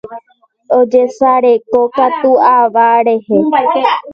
Ojesarekokatu ava rehe.